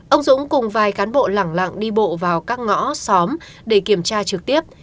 ông dũng cùng vài cán bộ lẳng lặng đi bộ vào các ngõ xóm để kiểm tra trực tiếp